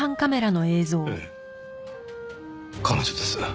ええ彼女です。